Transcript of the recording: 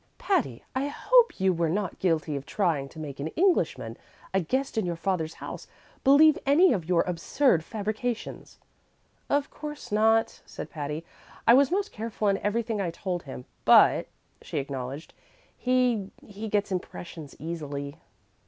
"Patty, I hope you were not guilty of trying to make an Englishman, a guest in your father's house, believe any of your absurd fabrications!" "Of course not," said Patty; "I was most careful in everything I told him. But," she acknowledged, "he he gets impressions easily."